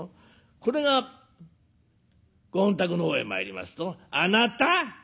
これがご本宅の方へ参りますと「あなた！」。